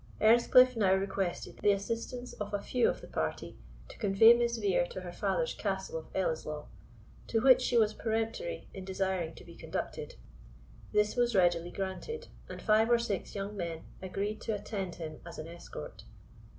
Earnscliff now requested the assistance of a few of the party to convey Miss Vere to her father's castle of Ellieslaw, to which she was peremptory in desiring to be conducted. This was readily granted; and five or six young men agreed to attend him as an escort.